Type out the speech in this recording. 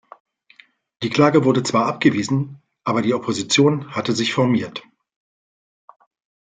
Die Klage wurde zwar abgewiesen, aber die Opposition hatte sich formiert.